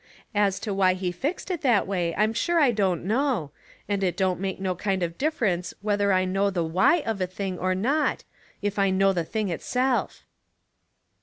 As to why He fixed it that way I'm sure I don't know, and it don't 1::6 Household Puzzles, make no kind of difference whether I know the wh:u of a thing or not, if I know the thing itself.'